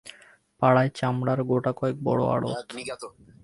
পাড়ায় চামড়ার গোটাকয়েক বড়ো আড়ত।